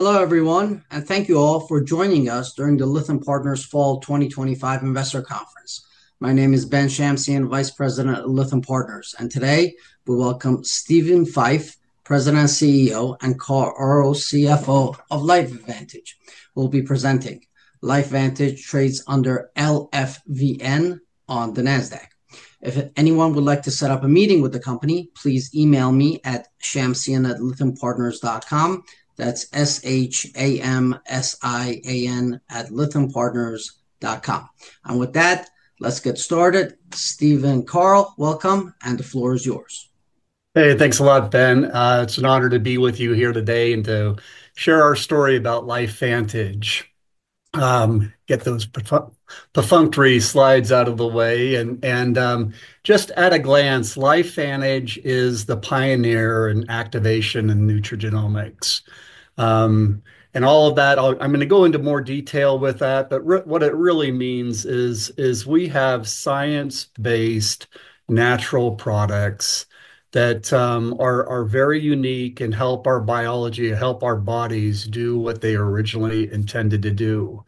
Hello everyone, and thank you all for joining us during the Lytham Partners Fall 2025 Investor Conference. My name is Ben Shamsian, Vice President of Lytham Partners, and today we welcome Steven Fife, President and CEO, and Carl Aure, CFO of LifeVantage. We'll be presenting LifeVantage, which trades under LFVN on the Nasdaq. If anyone would like to set up a meeting with the company, please email me at shamsian@lythampartners.com. That's S-H-A-M-S-I-A-N at lythampartners dot com. With that, let's get started. Steven and Carl, welcome, and the floor is yours. Hey, thanks a lot, Ben. It's an honor to be with you here today and to share our story about LifeVantage. Get those perfunctory slides out of the way. Just at a glance, LifeVantage is the pioneer in activation and nutrigenomics. All of that, I'm going to go into more detail with that, but what it really means is we have science-based natural products that are very unique and help our biology and help our bodies do what they originally intended to do.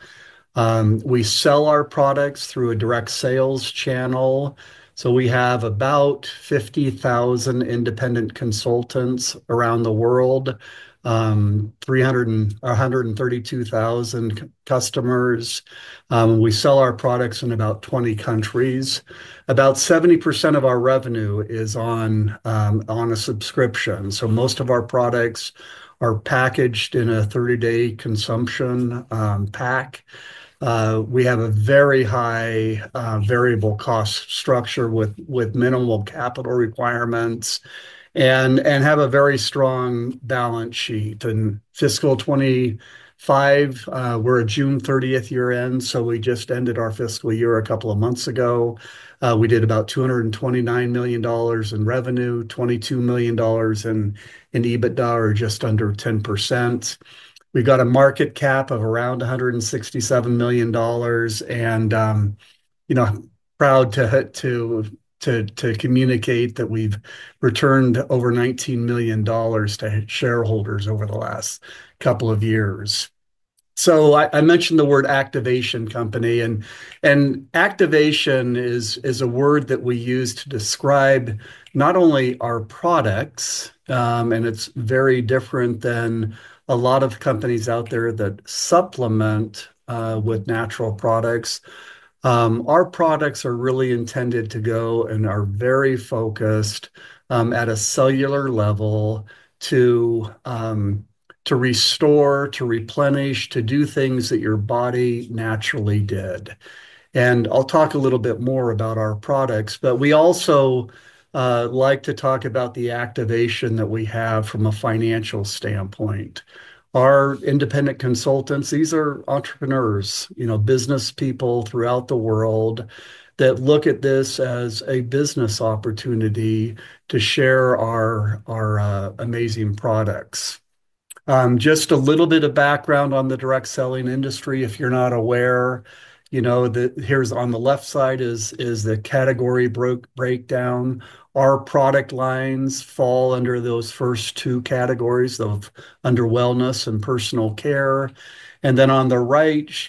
We sell our products through a direct sales channel. We have about 50,000 independent consultants around the world, 132,000 customers. We sell our products in about 20 countries. About 70% of our revenue is on a subscription. Most of our products are packaged in a 30-day consumption pack. We have a very high variable cost structure with minimal capital requirements and have a very strong balance sheet. In fiscal 2025, we're a June 30th year-end, so we just ended our fiscal year a couple of months ago. We did about $229 million in revenue, $22 million in EBITDA, or just under 10%. We've got a market cap of around $167 million, and I'm proud to communicate that we've returned over $19 million to shareholders over the last couple of years. I mentioned the word activation company, and activation is a word that we use to describe not only our products, and it's very different than a lot of companies out there that supplement with natural products. Our products are really intended to go and are very focused at a cellular level to restore, to replenish, to do things that your body naturally did. I'll talk a little bit more about our products, but we also like to talk about the activation that we have from a financial standpoint. Our independent consultants, these are entrepreneurs, business people throughout the world that look at this as a business opportunity to share our amazing products. Just a little bit of background on the direct selling industry, if you're not aware, here's on the left side is the category breakdown. Our product lines fall under those first two categories, under wellness and personal care. On the right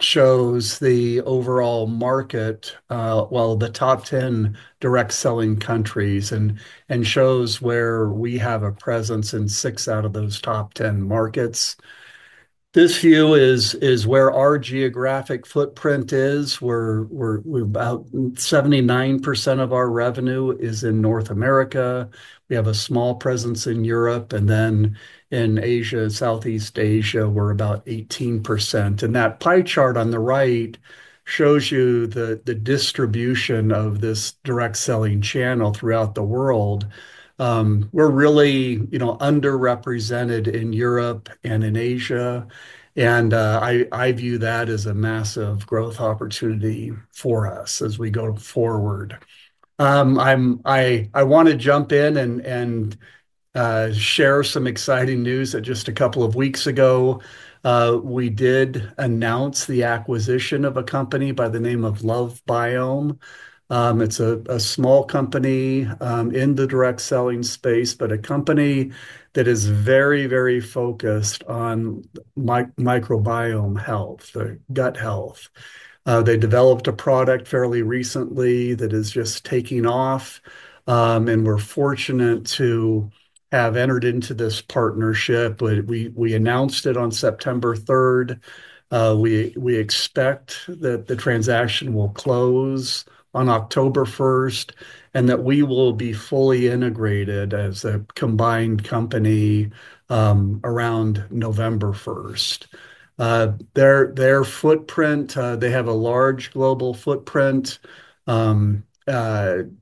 shows the overall market, the top 10 direct selling countries and shows where we have a presence in six out of those top 10 markets. This view is where our geographic footprint is. About 79% of our revenue is in North America. We have a small presence in Europe and then in Asia, Southeast Asia, we're about 18%. That pie chart on the right shows you the distribution of this direct selling channel throughout the world. We're really, you know, underrepresented in Europe and in Asia, and I view that as a massive growth opportunity for us as we go forward. I want to jump in and share some exciting news that just a couple of weeks ago, we did announce the acquisition of a company by the name of LoveBiome. It's a small company in the direct-selling space, but a company that is very, very focused on microbiome health, gut health. They developed a product fairly recently that is just taking off, and we're fortunate to have entered into this partnership. We announced it on September 3rd. We expect that the transaction will close on October 1st and that we will be fully integrated as a combined company around November 1st. Their footprint, they have a large global footprint with, you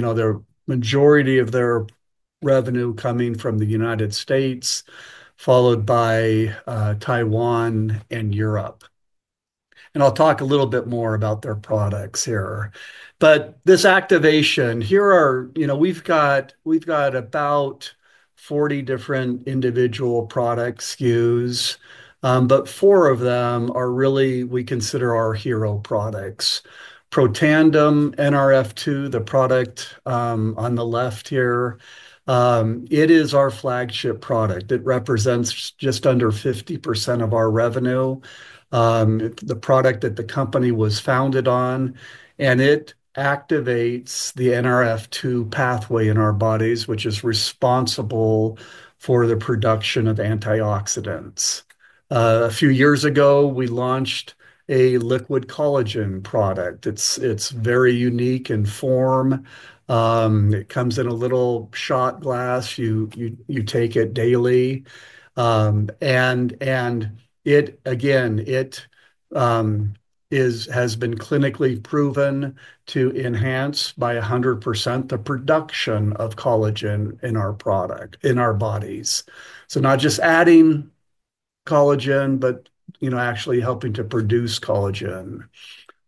know, the majority of their revenue coming from the United States, followed by Taiwan and Europe. I'll talk a little bit more about their products here. This activation, here are, you know, we've got about 40 different individual products SKUs, but four of them are really, we consider our hero products. Protandim Nrf2, the product on the left here, it is our flagship product. It represents just under 50% of our revenue, the product that the company was founded on, and it activates the Nrf2 pathway in our bodies, which is responsible for the production of antioxidants. A few years ago, we launched a liquid collagen product. It's very unique in form. It comes in a little shot glass. You take it daily. It, again, has been clinically proven to enhance by 100% the production of collagen in our bodies. Not just adding collagen, but, you know, actually helping to produce collagen.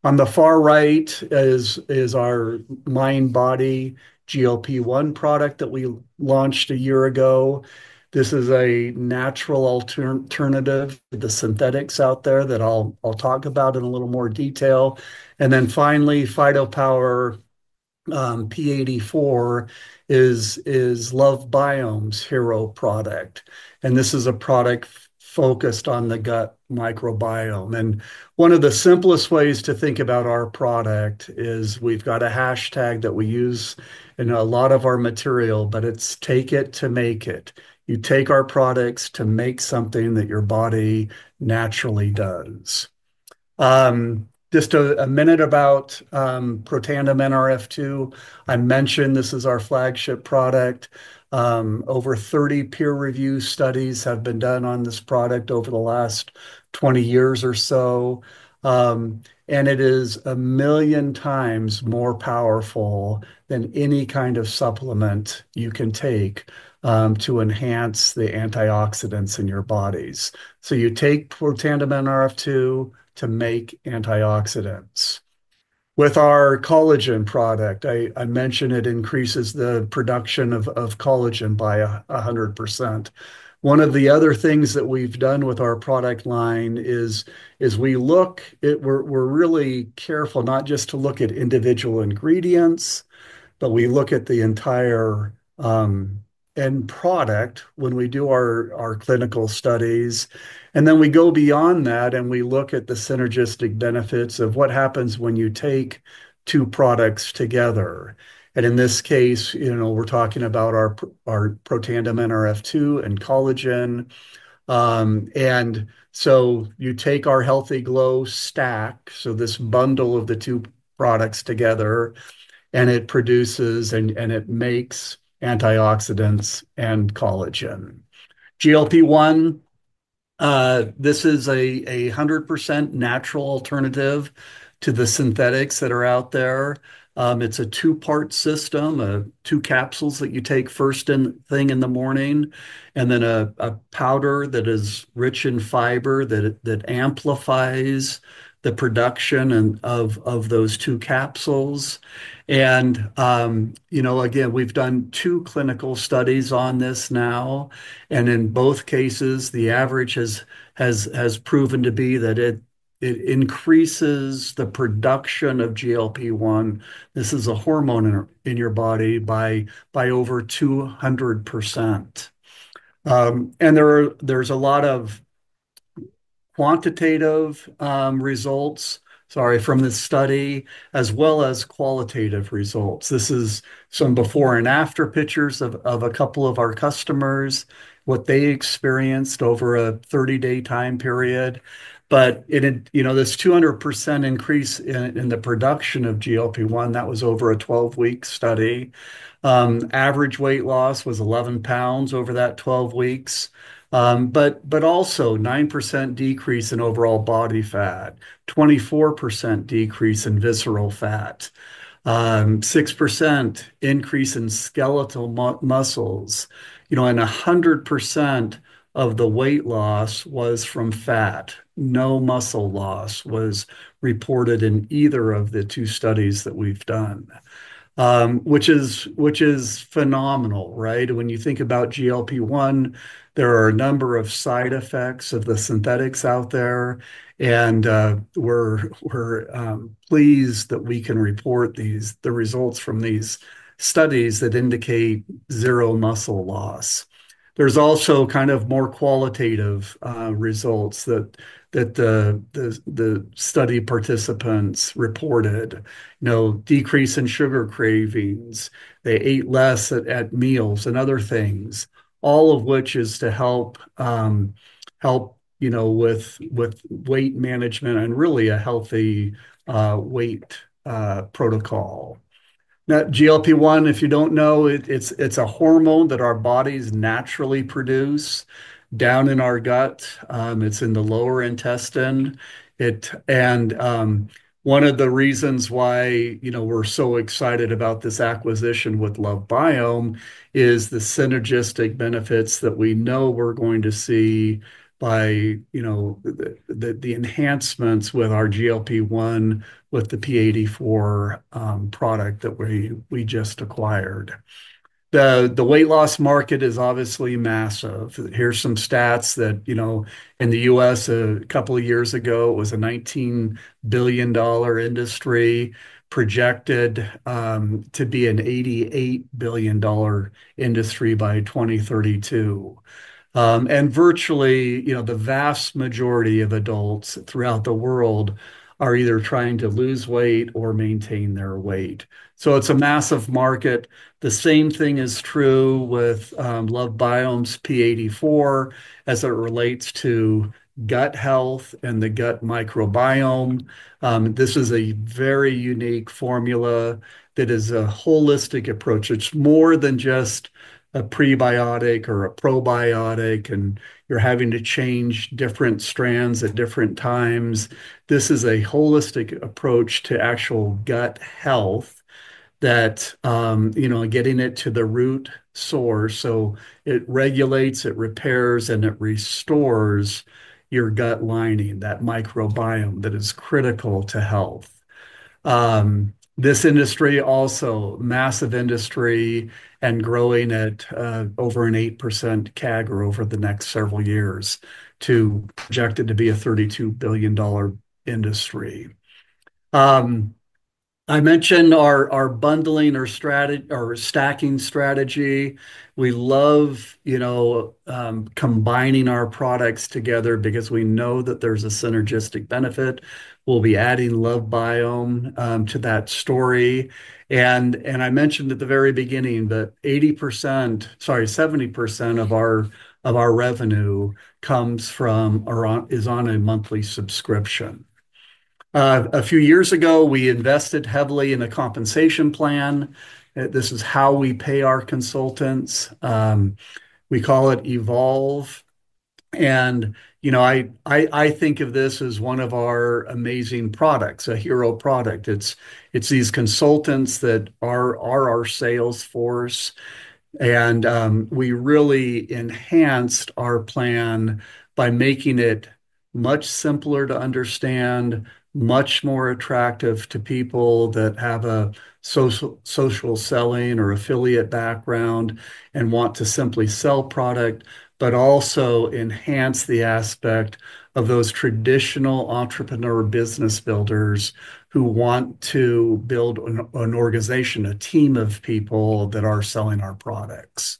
On the far right is our MindBody GLP-1 product that we launched a year ago. This is a natural alternative to the synthetics out there that I'll talk about in a little more detail. Finally, PhytoPower P84 is LoveBiome's hero product. This is a product focused on the gut microbiome. One of the simplest ways to think about our product is we've got a hashtag that we use in a lot of our material, but it's take it to make it. You take our products to make something that your body naturally does. Just a minute about Protandim Nrf2. I mentioned this is our flagship product. Over 30 peer-review studies have been done on this product over the last 20 years or so. It is 1 million times more powerful than any kind of supplement you can take to enhance the antioxidants in your bodies. You take Protandim Nrf2 to make antioxidants. With our collagen product, I mentioned it increases the production of collagen by 100%. One of the other things that we've done with our product line is we are really careful not just to look at individual ingredients, but we look at the entire end product when we do our clinical studies. We go beyond that and we look at the synergistic benefits of what happens when you take two products together. In this case, we are talking about our Protandim Nrf2 and collagen. You take our Healthy Glow stack, this bundle of the two products together, and it produces and it makes antioxidants and collagen. GLP-1, this is a 100% natural alternative to the synthetics that are out there. It's a two-part system, two capsules that you take first thing in the morning, and then a powder that is rich in fiber that amplifies the production of those two capsules. We have done two clinical studies on this now, and in both cases, the average has proven to be that it increases the production of GLP-1. This is a hormone in your body by over 200%. There are a lot of quantitative results from this study, as well as qualitative results. This is some before and after pictures of a couple of our customers, what they experienced over a 30-day time period. This 200% increase in the production of GLP-1 was over a 12-week study. Average weight loss was 11 lbs over that 12 weeks. Also, 9% decrease in overall body fat, 24% decrease in visceral fat, 6% increase in skeletal muscles, and 100% of the weight loss was from fat. No muscle loss was reported in either of the two studies that we've done, which is phenomenal, right? When you think about GLP-1, there are a number of side effects of the synthetics out there, and we are pleased that we can report the results from these studies that indicate zero muscle loss. There are also more qualitative results that the study participants reported, like decrease in sugar cravings, they ate less at meals and other things, all of which is to help with weight management and really a healthy weight protocol. GLP-1, if you don't know, is a hormone that our bodies naturally produce down in our gut. It's in the lower intestine. One of the reasons why we're so excited about this acquisition with LoveBiome is the synergistic benefits that we know we're going to see by the enhancements with our GLP-1 with the P84 product that we just acquired. The weight loss market is obviously massive. Here are some stats that, in the U.S. a couple of years ago, it was a $19 billion industry, projected to be an $88 billion industry by 2032. Virtually the vast majority of adults throughout the world are either trying to lose weight or maintain their weight. It's a massive market. The same thing is true with LoveBiome’s P84 as it relates to gut health and the gut microbiome. This is a very unique formula that is a holistic approach. It's more than just a prebiotic or a probiotic, and you're having to change different strains at different times. This is a holistic approach to actual gut health, getting it to the root source. It regulates, it repairs, and it restores your gut lining, that microbiome that is critical to health. This industry is also a massive industry and growing at over an 8% CAGR over the next several years, projected to be a $32 billion industry. I mentioned our bundling or stacking strategy. We love combining our products together because we know that there's a synergistic benefit. We'll be adding LoveBiome to that story. I mentioned at the very beginning that 80%, sorry, 70% of our revenue is on a monthly subscription. A few years ago, we invested heavily in a compensation plan. This is how we pay our consultants. We call it Evolve. I think of this as one of our amazing products, a hero product. It's these consultants that are our sales force. We really enhanced our plan by making it much simpler to understand, much more attractive to people that have a social selling or affiliate background and want to simply sell product, but also enhance the aspect of those traditional entrepreneur business builders who want to build an organization, a team of people that are selling our products.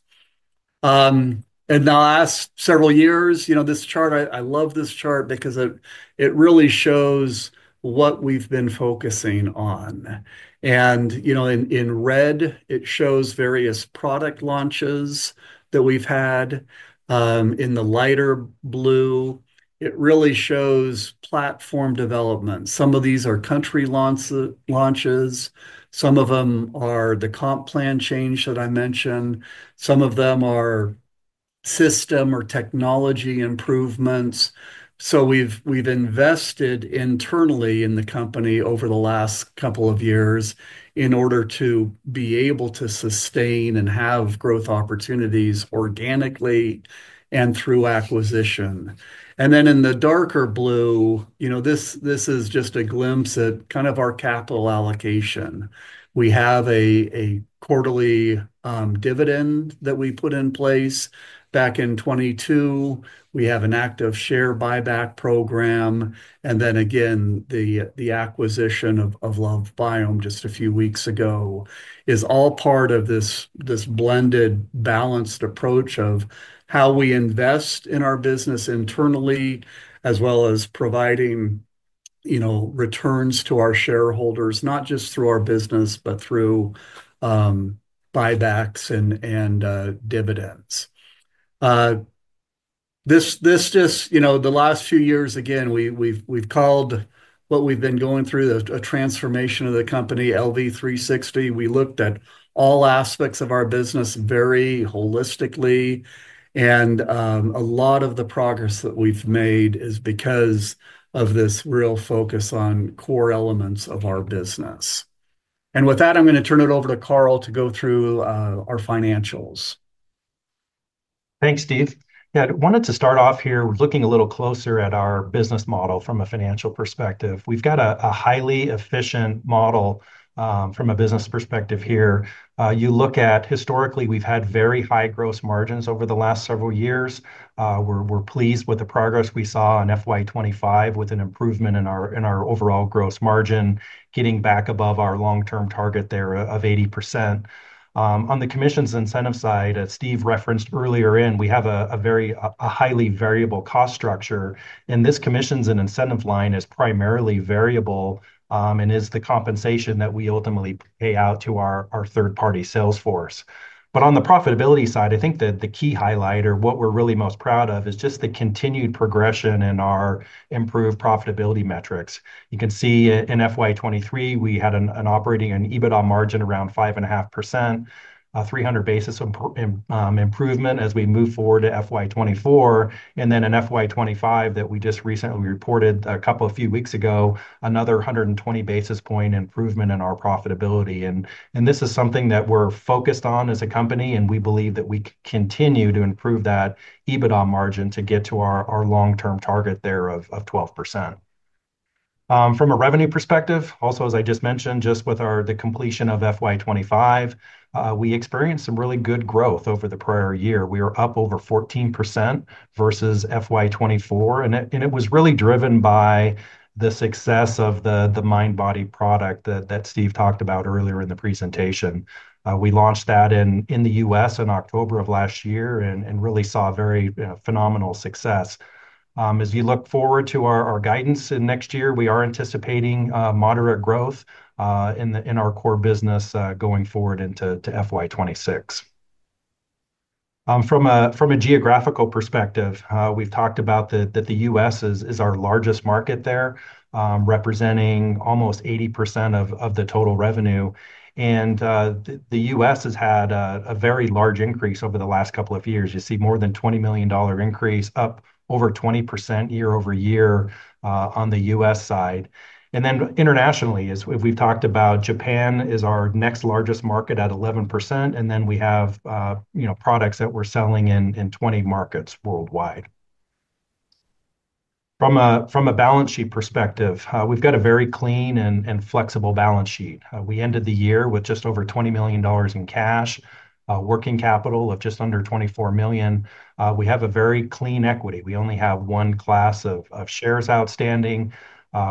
The last several years, this chart, I love this chart because it really shows what we've been focusing on. In red, it shows various product launches that we've had. In the lighter blue, it really shows platform development. Some of these are country launches. Some of them are the comp plan change that I mentioned. Some of them are system or technology improvements. We've invested internally in the company over the last couple of years in order to be able to sustain and have growth opportunities organically and through acquisition. In the darker blue, this is just a glimpse at our capital allocation. We have a quarterly dividend that we put in place back in 2022. We have an active share buyback program. The acquisition of LoveBiome just a few weeks ago is all part of this blended, balanced approach of how we invest in our business internally, as well as providing returns to our shareholders, not just through our business, but through buybacks and dividends. The last few years, we've called what we've been going through a transformation of the company, LV360. We looked at all aspects of our business very holistically. A lot of the progress that we've made is because of this real focus on core elements of our business. With that, I'm going to turn it over to Carl to go through our financials. Thanks, Steve. Yeah, I wanted to start off here looking a little closer at our business model from a financial perspective. We've got a highly efficient model from a business perspective here. You look at historically, we've had very high gross margins over the last several years. We're pleased with the progress we saw on FY 2025, with an improvement in our overall gross margin, getting back above our long-term target there of 80%. On the commissions and incentive side that Steve referenced earlier, we have a very highly variable cost structure. This commissions and incentive line is primarily variable and is the compensation that we ultimately pay out to our third-party sales force. On the profitability side, I think that the key highlight or what we're really most proud of is just the continued progression in our improved profitability metrics. You can see in FY 2023, we had an operating EBITDA margin around 5.5%, a 300 basis point improvement as we move forward to FY 2024. In FY 2025 that we just recently reported a couple of weeks ago, another 120 basis point improvement in our profitability. This is something that we're focused on as a company, and we believe that we continue to improve that EBITDA margin to get to our long-term target there of 12%. From a revenue perspective, also, as I just mentioned, just with the completion of FY 2025, we experienced some really good growth over the prior year. We were up over 14% versus FY 2024, and it was really driven by the success of the MindBody product that Steve talked about earlier in the presentation. We launched that in the U.S. in October of last year and really saw very phenomenal success. As you look forward to our guidance in next year, we are anticipating moderate growth in our core business going forward into FY 2026. From a geographical perspective, we've talked about that the U.S. is our largest market there, representing almost 80% of the total revenue. The U.S. has had a very large increase over the last couple of years. You see more than $20 million increase, up over 20% year-over-year on the U.S. side. Internationally, as we've talked about, Japan is our next largest market at 11%. We have products that we're selling in 20 markets worldwide. From a balance sheet perspective, we've got a very clean and flexible balance sheet. We ended the year with just over $20 million in cash, working capital of just under $24 million. We have a very clean equity. We only have one class of shares outstanding.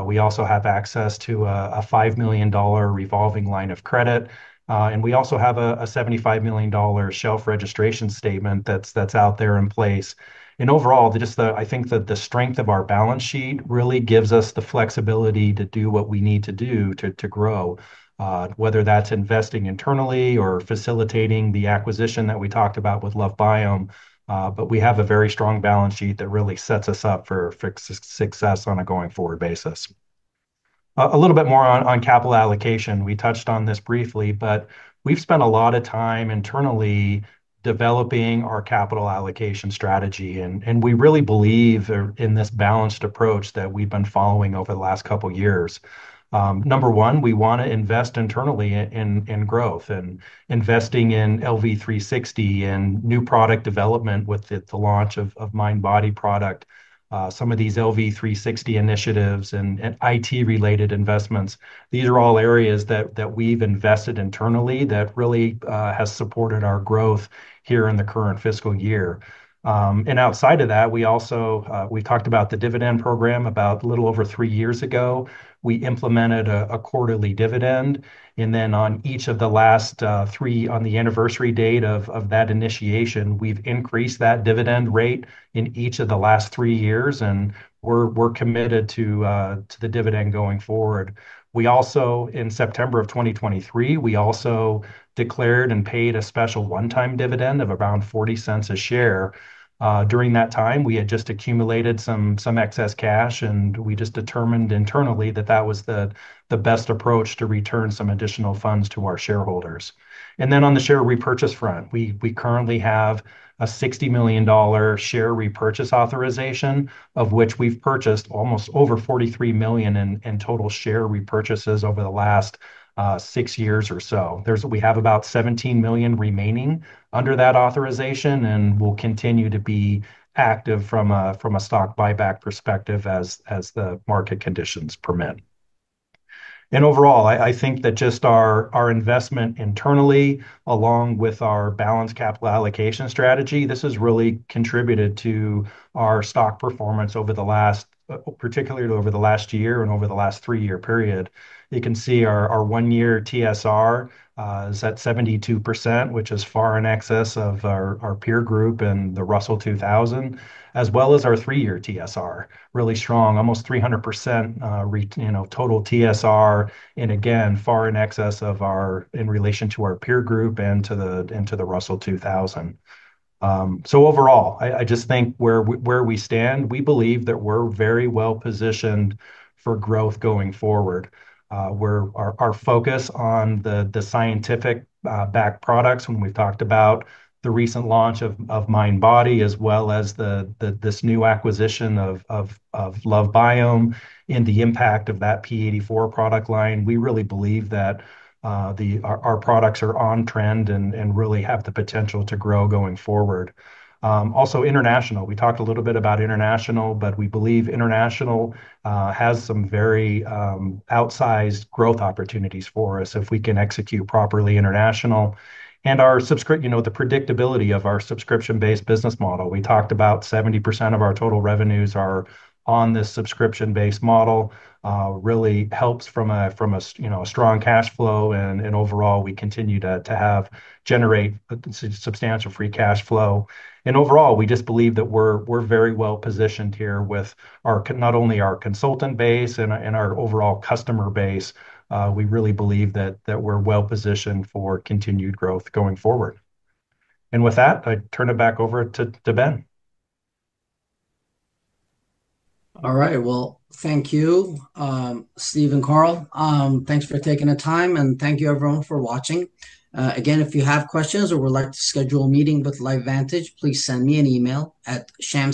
We also have access to a $5 million revolving credit facility. We also have a $75 million shelf registration statement that's out there in place. Overall, I think that the strength of our balance sheet really gives us the flexibility to do what we need to do to grow, whether that's investing internally or facilitating the acquisition that we talked about with LoveBiome. We have a very strong balance sheet that really sets us up for success on a going forward basis. A little bit more on capital allocation. We touched on this briefly, but we've spent a lot of time internally developing our capital allocation strategy. We really believe in this balanced approach that we've been following over the last couple of years. Number one, we want to invest internally in growth and investing in LV360 and new product development with the launch of MindBody product, some of these LV360 initiatives, and IT-related investments. These are all areas that we've invested internally that really have supported our growth here in the current fiscal year. Outside of that, we also talked about the dividend program. About a little over three years ago, we implemented a quarterly dividend. On each of the last three, on the anniversary date of that initiation, we've increased that dividend rate in each of the last three years. We're committed to the dividend going forward. In September of 2023, we also declared and paid a special one-time dividend of around $0.40 a share. During that time, we had just accumulated some excess cash, and we determined internally that that was the best approach to return some additional funds to our shareholders. On the share repurchase front, we currently have a $60 million share repurchase authorization, of which we've purchased almost over $43 million in total share repurchases over the last six years or so. We have about $17 million remaining under that authorization and will continue to be active from a stock buyback perspective as the market conditions permit. Overall, I think that just our investment internally, along with our balanced capital allocation strategy, has really contributed to our stock performance, particularly over the last year and over the last three-year period. You can see our one-year TSR is at 72%, which is far in excess of our peer group and the Russell 2000, as well as our three-year TSR, really strong, almost 300% total TSR, and again, far in excess of our, in relation to our peer group and to the Russell 2000. Overall, I just think where we stand, we believe that we're very well positioned for growth going forward. Our focus on the scientific-backed products, when we've talked about the recent launch of MindBody, as well as this new acquisition of LoveBiome and the impact of that P84 product line, we really believe that our products are on trend and really have the potential to grow going forward. Also, international, we talked a little bit about international, but we believe international has some very outsized growth opportunities for us if we can execute properly international. The predictability of our subscription-based business model, we talked about 70% of our total revenues are on this subscription-based model, really helps from a strong cash flow. Overall, we continue to generate substantial free cash flow. Overall, we just believe that we're very well positioned here with not only our consultant base and our overall customer base. We really believe that we're well positioned for continued growth going forward. With that, I turn it back over to Ben. All right. Thank you, Steve and Carl. Thanks for taking the time, and thank you everyone for watching. Again, if you have questions or would like to schedule a meeting with LifeVantage, please send me an email at shamstein.